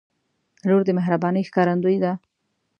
• لور د مهربانۍ ښکارندوی ده.